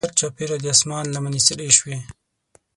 ګرچاپیره د اسمان لمنې سرې شوې.